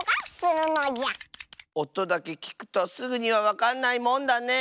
おとだけきくとすぐにはわかんないもんだねえ。